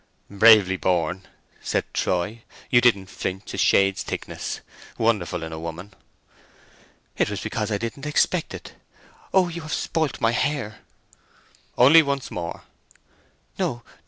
"Bravely borne!" said Troy. "You didn't flinch a shade's thickness. Wonderful in a woman!" "It was because I didn't expect it. Oh, you have spoilt my hair!" "Only once more." "No—no!